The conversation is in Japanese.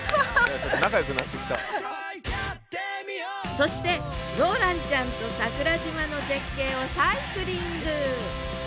そしてローランちゃんと桜島の絶景をサイクリング！